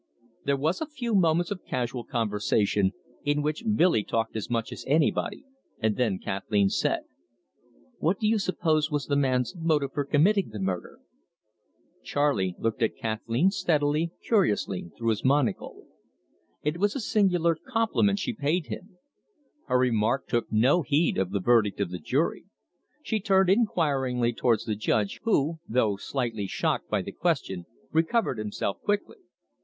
There was a few moments of casual conversation, in which Billy talked as much as anybody, and then Kathleen said: "What do you suppose was the man's motive for committing the murder?" Charley looked at Kathleen steadily, curiously, through his monocle. It was a singular compliment she paid him. Her remark took no heed of the verdict of the jury. He turned inquiringly towards the judge, who, though slightly shocked by the question, recovered himself quickly.